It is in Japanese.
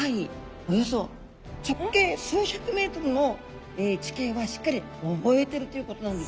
およそ直径数百ｍの地形はしっかり覚えてるということなんです。